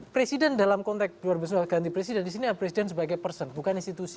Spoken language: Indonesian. presiden dalam konteks luar biasa ganti presiden di sini presiden sebagai person bukan institusi